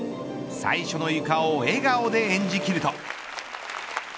最初のゆかを笑顔で演じ切ると。